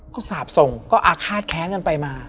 ก็สาบส่งก็อาฆาตแค้นกันไปมา